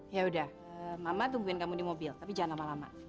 ya udah mama tungguin kamu di mobil tapi jangan lama lama